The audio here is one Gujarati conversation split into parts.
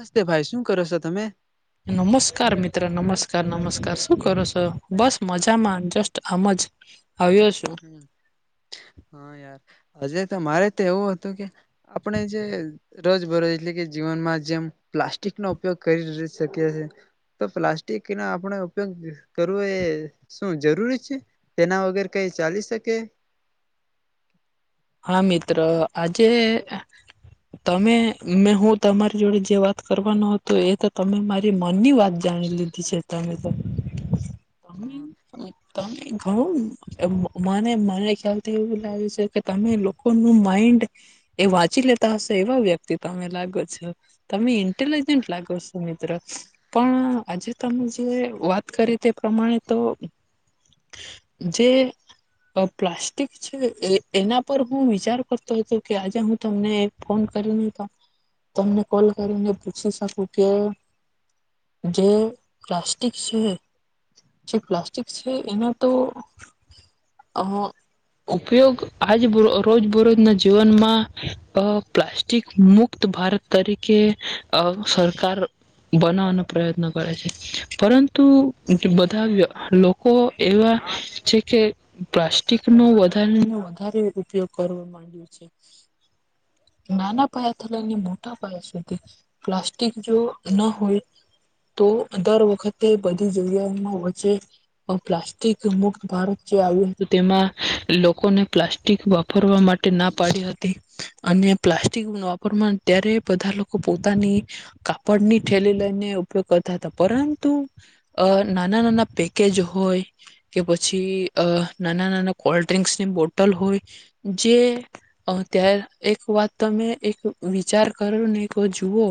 નમસ્તે ભાઈ શું કરો છો તમે નમસ્કાર મિત્ર નમસ કાર નમસ્કાર શું કરો છો બસ મજામાં જસ્ટ આમ જ આવ્યો છું હમ હા યા હજે તો મારે તો એવું હતું કે આપણે જે રોજબરોજ એટલે કે જીવનમાં જેમ પ્લાસ્ટિક નો ઉપયોગ કરી શકીએ છેએ તો પ્લાસ્ટિકનો આપણે ઉપયોગ કરવો એ શું જરૂરી છે તેના વગ ચાલી શકે. હા મિત્ર આજે તમે મેં હું તમારી જોડે જે વાત કરવાનો હતોું એ તો તમે મારી મનની વાત જાણી લીધી છે તમે તો હમ, ત ઘણું મને મને ખ્યાલથી એવું લાગ્યું છે. તમે લોકોનું માઈન્ડ એ વાંચી લેતા હશો એવા વ્યક્તિ તમે લાગો છો તમે ઇન્ટેલિજન્ટ લાગો છો મિત્ર પણ આજે તમે જે વાત કરી તે પ્રમાણે તો જે પ્લાસ્ટિક છે એ એના પર હું વિચાર કરતો હતો કે આજે હું તમને ફોન કરીને હતો તમને કોલ કરીને પૂછી શકું કે જે પ્લાસ્ટિક છે જે પ્લાસ્ટિક છે એના તો અ ઉપયોગ આજ રોજ બરોજના જીવનમાં અ પ્લાસ્ટિક મુક્ત ભારત તરીકે સરકાર બનાવાનો પ્રયત્ન કરે છે પરંતુ બધા લોકો એવા છે કે પ્લાસ્ટિક ન વધારા ઉપયોગ કરવા માંડ છે નાના પાયાથી લઈને મોટા પાયા સુધી પ્લાસ્ટિક જો ના હોય તો દર વખતે બધી જગ્યાઓમાં વચ્ચે પ્લાસ્ટિક મુક્ત ભારત જે આવ્યું હતું તેમાં લોકોને પ્લાસ્ટિક વાપરવા માટે ના પાડી હતી અને પ્લાસ્ટિક વાપરવા ત્યારે બધા લોકો પોતાની કાપડની થેલી લઈને ઉપયોગ કરતા હતા પરંતુ અ નાના નાના પેકેજ હોય કે પછી નાના નાના કોલ્ડ ડ્રિક્સની બ બટલ હોય જે ત એક વાત તમે એક વિચાર કરો ને એક વા જુઓ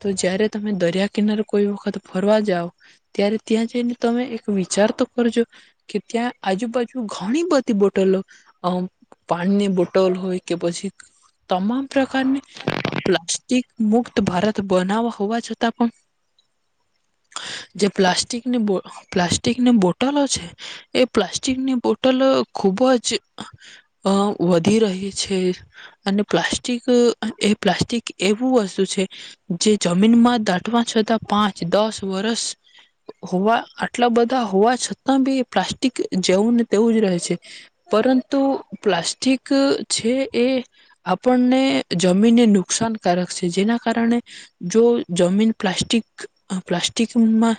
તો જય્યારે તમે દરિયા કિનારે કોઈ વખત ફરવા જઓ ત્યારે ત્યાં જઈને તમે એક વિચાર તો કરજો કે ત્યાં આજુબાજુ ઘણી બધી બોટલો [unintelligible] પાણીની બોટલ હોય કે પછી તમામ પ્રકારની પ્લાસ્ટ મુક્ત ભારત બનાવવા હોવા છતાં પણ જે પ્લાસ્ટિકની બ પ્લાસ્ટિકની બોટલો છે એ પ્લાસ્ટિકની બોટલ ખુબ જ અ વધી રહી છે અને પ્લાસ્ટિક એ પ્લાસ્ટિક એવું વસ્તુ છે જે જમીનમાં દાટવા છતાં પાંચ દસ વરષ હોવા આટલા બધા હોવા છતાં બી પ્લાસ્ટિક જેવું ને તેવું જ રહે છે પરંતુ તો પ્લાસ્ટિક છે એ આપણને જમીનને નુકસાનકારક છે જેના કારણે જો જમીન પ્લાસ્ટિક પ્લાસ્ટિકમાં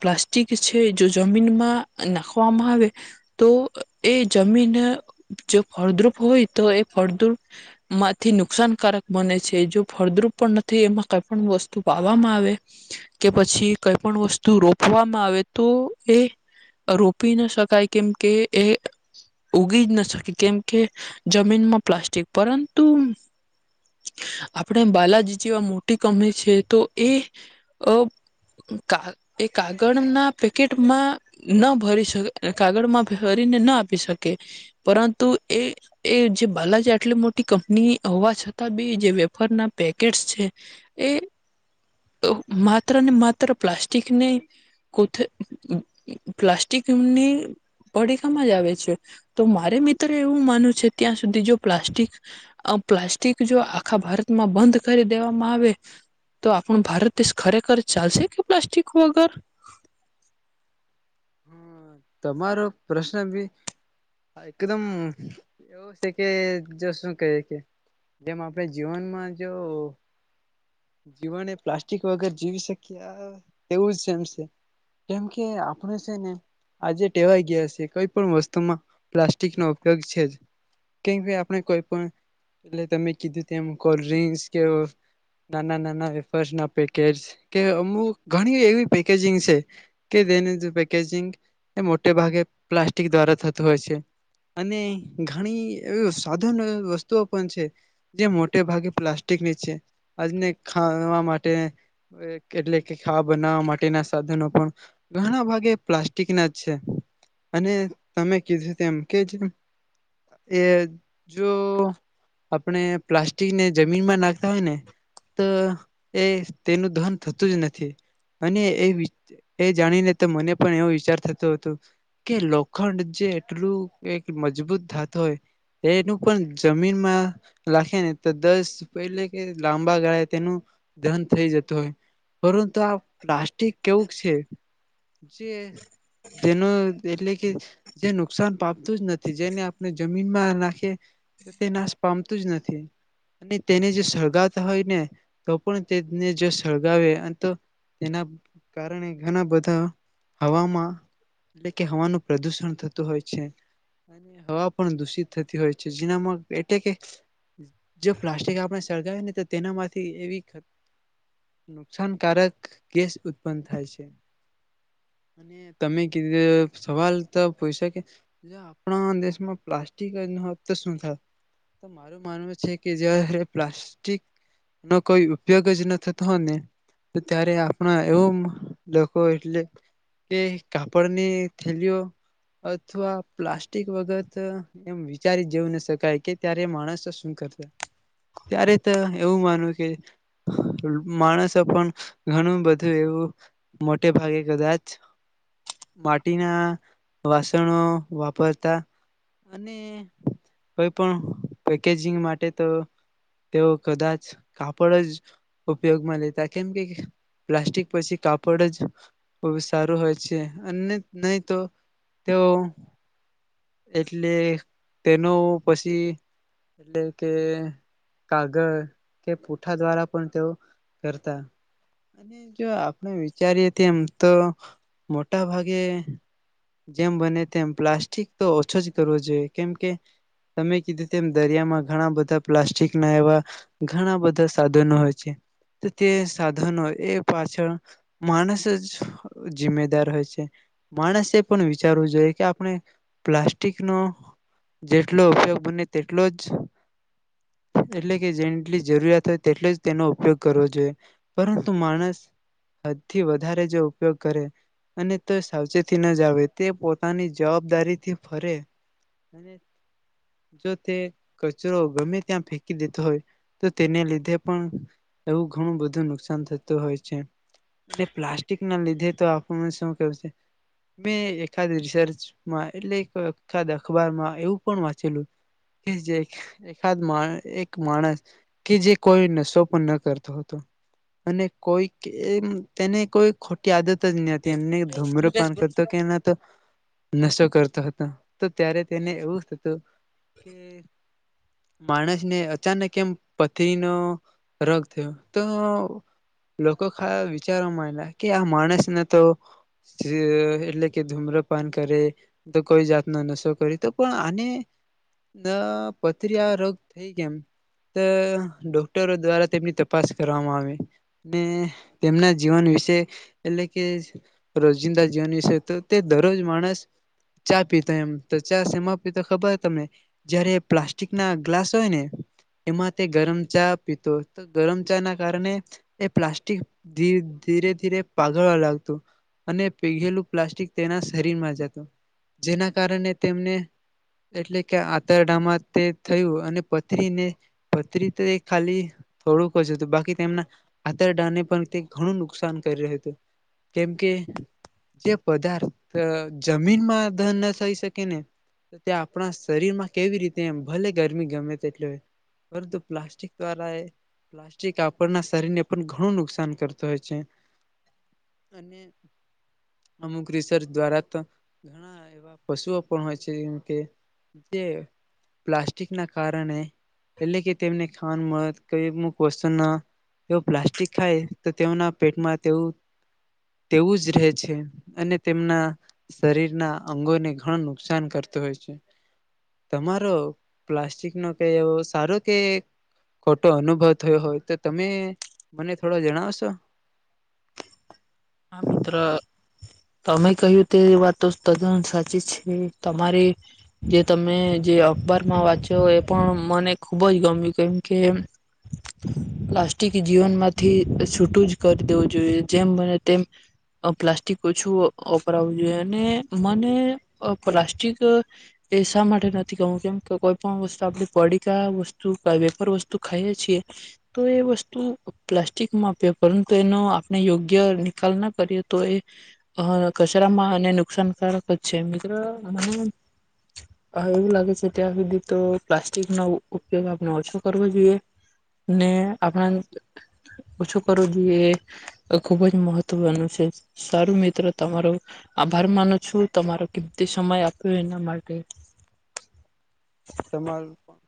પ્લાસ્ટિક છે જો જમીનમાં નાખવામાં આવે તો એ જમીન જો ફળદ્રુપ હોય તો એ ફળદ્રુપ માંથી નુકસાનકારક બને છે જો ફળદ્રુપ પણ નથી એમાં કઈ પણ વસ્તુ વાવામાં આવે કે પછી કઈ પણ વસ્તુ રોપવામાં આવે તો એ રોપી ન શકાય કેમકે એ ઉગી જ ના શકી કેમ કે જમીનમાં પ્લાસ્ટિક પરંતુ આપણે બાલાજી જેવા મોટી કમની છે તો એ એ કાગળના પેકેટમાં ન ભરી શકે કાગળમાં ભરીને ન આપી શકે. પરંતુ એ એ જે બાલાજા આટલી મોટી કંપની હોવા છતાં બી જે વેપાર ના પેકેટ છે એ માત્ર ને માત્ર પ્લાસ્ટિકનીથે પ્લાસ્ટિકની પડીકામાં જ આવે છે તો મારે મિત્ર એવું માનું છે ત્યાં સુધી જો પ્લાસ્ટિક પ્લાસ્ટિક જો આખા ભારતમાં બંધ કરી દેવામાં આવે તો પણ ભારત દેશ ખરેખર ચાલશે કે પ્લાસ્ટિક વગર હમ, તમારો પ્રશ્ન બી એકદમ એવો છે કે જો શું કહીએ કે જેમ આપણે જીવનમાં જો જીવને પ્લાસ્ટિક વગર જીવી શકીએ તેવું જમ છે કેમ કે આપણે છે ને વા કોઈ પણ વસ્તુમાં પ્લાસ્ટિક ન ઉપયોગ છે જ કેમ આપણે કોઈ પણ એટ તમે કીધું તેમ કોલ્ડ્રિંસ કે નાના નાના વે ના પેકેજ કે અમુક ઘણી એવી પેકેજંગ છે કે તેની પેજંગ એ મોટે ભાગે પ્લાસ્ટિક દ્વારા થતું હોય છે અને ઘણી એવી સાધનો વસ્તુઓ પણ છે જે મોટે ભાગે પ્લાસ્ટિકની છે આજને ખાવા માટે એટલે કે ખાવા બનાવવા માટેના સાધનો પણ ઘણા ભાગે પ્લાસ્ટિક ના છે અને તમે કીધું તેમ કે જે એ જો આપણે પ્લાસ્ટિકને જમીનમાં નાખતા હોય ને તો એ તેનું ધન થતું જ નથી અને એ એ જાણીને તો મને પણ એવ વિચાર થતો કે લોખંડ જે એટલું એક મજબૂત ધાત હોય એનું પણ જમીનમાં લખે ને તો દસ પહેલે કે લાંબા ગાળે તેનું ધન થઈ જતું હોય પરંતુ આ પ્લાસ્ટિક કેવું છે જે જેનું એટલે કે જે નુકસાન પામતું જ નથી જેને આપણે જમીનમાં નાખીએ તે નાશ પામતું જ નથી અને તેને જે સળગાવતા હોય ને તો પણ તેને જો સળગાવે અને તો તેના કારણે ઘણા બધા હવામાં એટલે કે હવાનું પ્રદુષણ થતું હોય છે અને હવા પણ દૂષિત થતી હોય છે જેનામાં એટલે કે જો પ્લાસ્ટિક આપણે સળગાવી ને તો તેનામાંથી એવી નુકસાનકારક ગેસ ઉત્પન્ન થાય છે. તમે સવાલ તો પૂછ શકે આપણા દેશમાં પ્લાસ્ટિક ન હોત તો શું થાય તો મારું માનવું છે કે જારે પ્લાસ્ટિક નો કોઈ ઉપયોગ જ ન થતો હોય ને ત્યારે આપણા એવું લોકો એટલે કે કાપડની થેલીઓ અથવા પ્લાસ્ટિક વગત એમ વિચારી જેવું ન શકાય કે ત્યારે માણસો શું કરતા ત્યારે તો એવું માનુંવ કે માણસો પણ ઘણું બધું એવું મોટે ભાગે કદાચ માટીના વાસણો વાપરતા અને કોઈ પણ પેકેજિંગ માટે તો તેઓ કદાચ કાપડ જ ઉપયોગમાં લેતા કેમ કે પ્લાસ્ટિક પછી કાપડ જ સારું હોય છે. અને નહી તો તેઓ એટલે તેનો પછી એટલે કે કાગળ કે પૂઠા દ્વારા પણ તેઓ કરતા અને જો આપણે વિચારીએ તેમ તો મોટા ભાગે જેમ બને તેમ પ્લાસ્ટિક તો ઓછો જ કરવો જોઈએ કેમ કે તમે કીધું તેમ દરિયામાં ઘણા બધા પ્લાસ્ટિક ના એવા ઘણા બધા સાધનો હોય છે તો તે સાધનો એ પાછળ માણસ જ જિમ્મેદાર હોય છે માણસે પણ વિચારવું જોઈએ કે આપણે પ્લાસ્ટિકનો જેટલો ઉપયોગ બને તેટલો જ એટલે કે જેટલી જરૂરિયાત હોય તેટલો જ તેનો ઉપયોગ કરવો જોઈએ પરંતુ માણસ હદથી વધારે જો ઉપયોગ કરે અને તો સાવચેતી ન જ આવે તે પોતાની જવાબદારીથી જો તે કચરો ગમે ત્યાં ફેકી દેતો હોય તો તેને લીધે પણ એવું ઘણું બધું નુકસાન થતું હોય છે અને પ્લાસ્ટિક ના લીધે તો આપણને શું કેવું છે મેં એકાદ રિસર્ચમાં એટલે ખાદ અખબારમાં એવું પણ વાંચેલું કે જેાદ મા એક માણસ કે જે કોઈ નશો પણ ન કરતો હતો અને કોઈક એમ તેને કોઈ ખોટી આદત જ નહી હતી એમને ધુમરૂપન કરતો કે એના તો નશા કરતા તો ત્યારે તેને એવું થતું કે માણસને અચાનક એમ પથરીનો રોગ થયો તો લોકો ખ વિચારવા માંડયા કે આ માણસને ધ તો એટલે કે ધૂમ્રપાન કરે કોઈ જાતનો નશો કરી તો પણ આને દ પથરી આ રોગ થઈ કેમ? ડોક્ટરો દ્વારા તેમની તપાસ કરવામાં આવે ને તેમના જીવન વિશે એટલે કે રોજિંદા જીવન વિશે તો તે દરરોજ માણસ ચા પી તેમ ચા સેમાં પીતો ખબર તમને? જયારે પ્લાસ્ટિક ના ગ્લાસ હોય ને એમાં તે ગરમ ચા પીતો તો ગરમ ચા ના કારણે એ પ્લાસ્ટિક ધીરે ધીરે પાઘળવા લાગતું અને પીઘેલું પ્લાસ્ટિક તેના શરીરમાં જતું જેના કારણે તેમને એટલે કે આંતરડામાં તે થયું અને પથરીને પથરી તો ખાલી થોડુંક જ હતું બાકી તેમના આંતરડાને પણ તે ઘણું નુકસાન કરી રહ્યું હતું કેમકે જે પદાર્થ અ જમીનમાં ન થઈ શકે ને તે આપણા શરીરમાં કેવી રીતે ભલે ગરમી ગમે તેટલે પરંતુ પ્લાસ્ટિક દ્વારા એ પ્લાસ્ટિક આપણના શરીરને પણ ઘણું નુકસાન કરતો હોય છે અને અમુક રિસર્ચ દ્વારા તો ઘણા એવા પશુઓ પણ હોય છે જેમ કે જે પ્લાસ્ટિકના કારણે એટલે કે તેમને ખાવાનું મળત કઈ અમુક વસ્તુ ન એવ પ્લાસ્ટિક ખાય તો તેમના પેટમાં તેવું તેવું જ રહે છે અને તેમના શરીરના અંગોને ઘણું નુકસાન કરતું હોય છે તમારો પ્લાસ્ટિક નો કઈ એવો સારો કે ખોટો અનુભવ થયો હોય તો તમે મને થોડો જણાવશો? હા મિત્ર તમે કહ્યું તે વાત તો તદ્દન સાચી છે તમારે જે તમે જે અખબારમાં વાંચો એ પણ મને ખુબ જ ગમ્યું કેમ કે પ્લાસ્ટિક જીવનમાંથી છૂટું જ કરી દેવું જોઈએ જેમ બને તેમ અ પ્લાસ્ટિક ઓછું વપરાવું જોઈએ અને મને પ્લાસ્ટિક એ શા માટે નથી કહું કેમ કોઈ પણ વસ્તુ આપણે પડીકા વસ્તુ વેફર વસ્તુ ખાઈએ છીએ તો એ વસ્તુ પ્લાસ્ટિકમાં આપએ પરંતુ એનો આપણે યોગ્ય [inaudible] ના કરીએ તો એ અ કચરામાં અને નુકસાનકારક જ છે, મિત્રો મને અ એવું લાગે છે ત્યાં સુધી તો પ્લાસ્ટિક નો ઉપયોગ આપણે ઓછો કરવો જોઈએ ને આપણા ઓછો કરવો જોઈએ એ ખુબ જ મહત મહત્વનું છે સારું મિત્રો તમારો આભાર માનો છું તમારો કિંમતી સમય આપ્યો એના માટે. તમારું પણ